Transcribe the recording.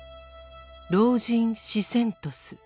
「老人死セントス」